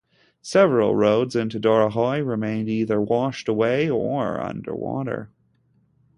Several roads into Dorohoi remained either washed away or under water.